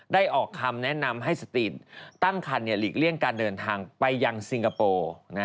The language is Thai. ออกคำแนะนำให้สตีนตั้งคันหลีกเลี่ยงการเดินทางไปยังซิงคโปร์